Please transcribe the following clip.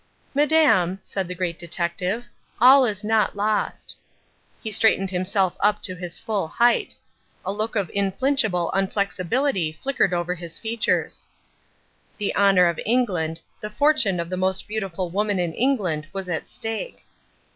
"Madame," said the Great Detective, "all is not lost." He straightened himself up to his full height. A look of inflinchable unflexibility flickered over his features. The honour of England, the fortune of the most beautiful woman in England was at stake.